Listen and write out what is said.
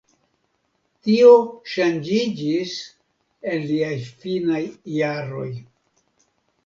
Tio ŝanĝiĝis en liaj finaj jaroj.